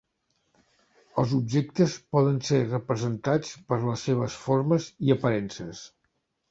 Els objectes poden ser representats per les seves formes i aparences.